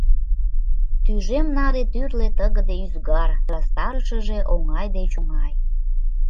Тӱжем наре тӱрлӧ тыгыде ӱзгар, сӧрастарышыже — оҥай деч оҥай.